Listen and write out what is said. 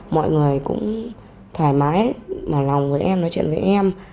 mọi người cũng thoải mái mở lòng với em nói chuyện với em